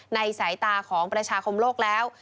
สายตาของประชาคมโลกแล้ว